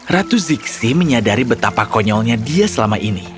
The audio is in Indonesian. ratu ziksi menyadari betapa konyolnya dia selama ini